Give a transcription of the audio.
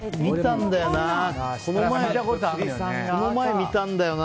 見たんだよな。